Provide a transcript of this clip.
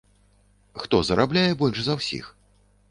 Хто зарабляе больш за ўсіх?